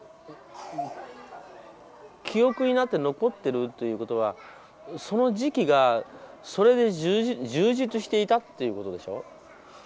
記憶になって残ってるということはその時期がそれで充実していたということでしょ。